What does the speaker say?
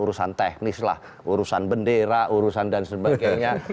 urusan teknis lah urusan bendera urusan dan sebagainya